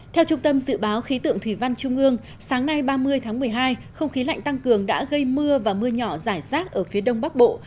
theo trung tâm dự báo khí tượng thủy văn trung ương sáng nay ba mươi tháng một mươi hai không khí lạnh tăng cường đã gây mưa và mưa nhỏ rải rác ở phía đông bắc bộ